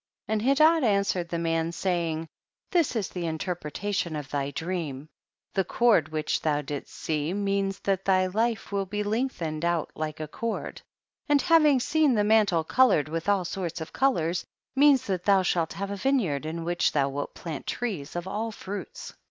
30. And Hedad answered the man, saying, this is the interpreta tion of thy dream, the cord which thou didst see, means that thy life will be lengthened out like a cord,, and having seen tlie mantle colored with all sorts of colors, means that thou shalt have a vineyard in which thou wilt plant trees of all fruits.